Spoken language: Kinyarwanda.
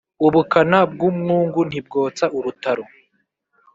Ubukana bw’umwungu ntibwotsa urutaro.